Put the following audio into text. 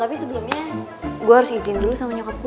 tapi sebelumnya gue harus izin dulu sama nyokap gue